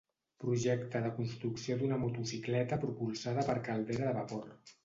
Projecte de construcció d'una motocicleta propulsada per caldera de vapor.